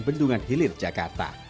bendungan hilir jakarta